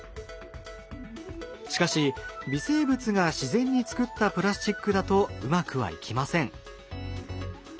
しかし微生物が自然に作ったプラスチックだとうまくはいきません。